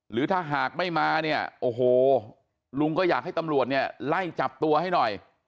หรือถ้าหากไม่มาเนี่ยโอ้โหลุงก็อยากให้ตำรวจเนี่ยไล่จับตัวให้หน่อย